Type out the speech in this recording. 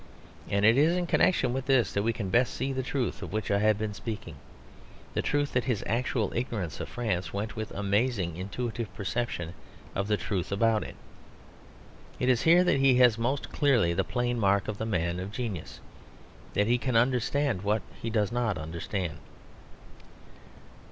And it is in connection with this that we can best see the truth of which I have been speaking; the truth that his actual ignorance of France went with amazing intuitive perception of the truth about it. It is here that he has most clearly the plain mark of the man of genius; that he can understand what he does not understand.